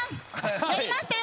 やりましたよ！